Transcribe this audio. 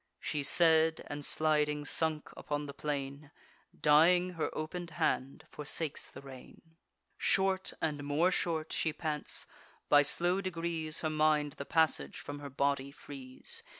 She said, and, sliding, sunk upon the plain: Dying, her open'd hand forsakes the rein; Short, and more short, she pants; by slow degrees Her mind the passage from her body frees.